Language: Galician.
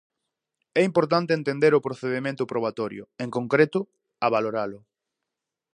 É importante entender o procedemento probatorio, en concreto a valoralo.